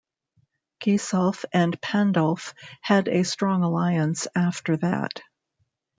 Gisulf and Pandulf had a strong alliance after that.